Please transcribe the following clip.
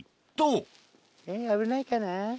危ないかな。